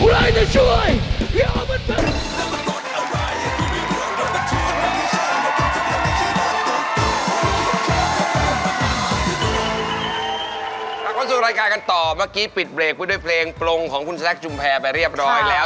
เรามาต้องสูญรายการกันต่อปิดเบรกเพราะเพลงปรงของคุณแซคจุ่มแพร่ไปเรียบร้อยแล้ว